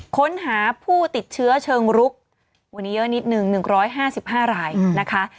ค้นหาผู้ติดเชื้อเชิงรุกวันนี้เยอะนิดนึง๑๕๕รายนะคะ